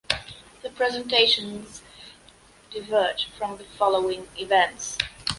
The presentations diverge from the following events.